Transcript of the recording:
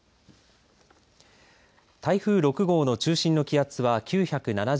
台風６号の中心の気圧は９７０